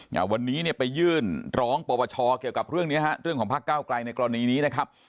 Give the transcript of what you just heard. อ่าวันนี้เนี่ยไปยื่นร้องปปชเกี่ยวกับเรื่องเนี้ยฮะเรื่องของพักเก้าไกลในกรณีนี้นะครับ